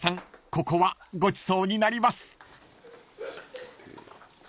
ここはごちそうになります］